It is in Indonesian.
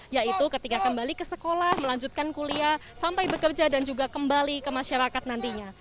yaitu ketika kembali ke sekolah melanjutkan kuliah sampai bekerja dan juga kembali ke masyarakat nantinya